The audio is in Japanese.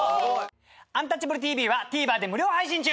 「アンタッチャブるＴＶ」はＴＶｅｒで無料配信中！